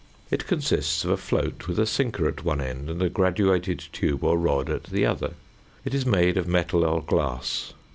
It consists of a float with a sinker at one end and a graduated tube or rod at the other. It is made of metal or glass.